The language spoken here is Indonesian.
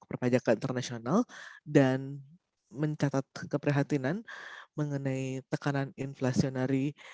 perpajakan internasional dan mencatat keprihatinan mengenai tekanan inflasionari